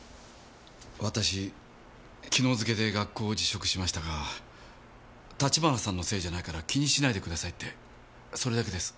私昨日付けで学校を辞職しましたが橘さんのせいじゃないから気にしないでくださいってそれだけです。